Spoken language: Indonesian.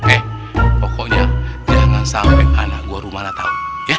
eh pokoknya jangan sampe anak gua rumah lu tau